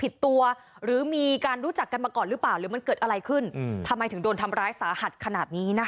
สาหัสขนาดนี้นะคะ